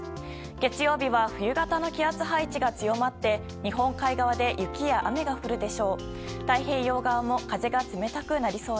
月曜日は冬型の気圧配置が強まって日本海側で雪や雨が降るでしょう。